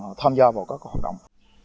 họ tham gia vào các hoạt động